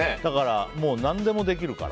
何でもできるから。